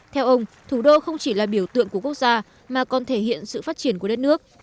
theo ông thủ đô không chỉ là biểu tượng của quốc gia mà còn thể hiện sự phát triển của đất nước